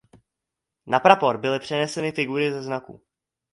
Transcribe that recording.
Na prapor byly přeneseny figury ze znaku.